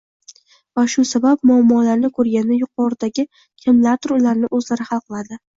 va shu sabab muammolarni ko‘rganda «yuqoridagi» kimlardir ularni o‘zlari hal qiladi